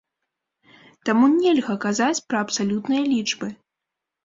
Таму нельга казаць пра абсалютныя лічбы.